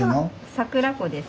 桜子です。